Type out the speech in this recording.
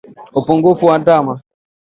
upungufu wa damu